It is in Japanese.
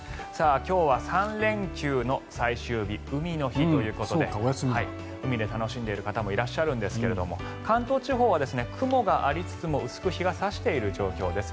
今日は３連休の最終日海の日ということで海で楽しんでいる方もいらっしゃるんですが関東地方は雲がありつつも薄く日が差している状況です。